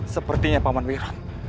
sepertinya paman wiram